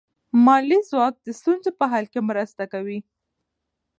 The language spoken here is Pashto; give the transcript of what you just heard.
مالي ځواک د ستونزو په حل کې مرسته کوي.